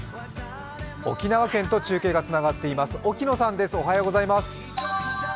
沖縄県と中継がつながっています。